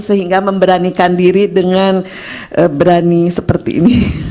sehingga memberanikan diri dengan berani seperti ini